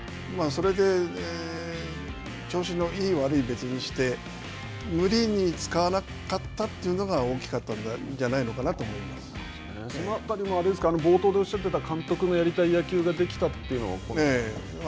それで、調子のいい悪いは別にして、無理に使わなかったというのが大きかったんじゃないのかなと思そのあたりは、冒頭でおっしゃってた監督のやりたい野球ができたといええ。